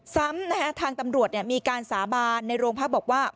ซ้ำนะคะทางตำรวจมีการสาบานในโรงพักบอกว่า